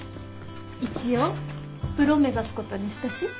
一応プロ目指すことにしたし。